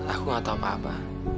aku gak tahu apa apa